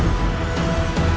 aku akan menangkapmu